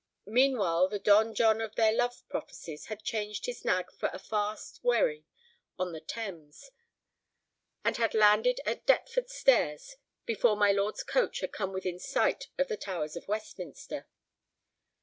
Meanwhile the Don John of their love prophecies had changed his nag for a fast wherry on the Thames, and had landed at Deptford stairs before my lord's coach had come within sight of the towers of Westminster.